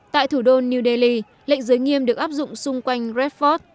tại thủ đô new delhi lệnh giới nghiêm được áp dụng xung quanh red fort